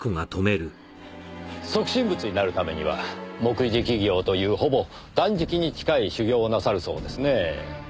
即身仏になるためには木食行というほぼ断食に近い修行をなさるそうですねぇ。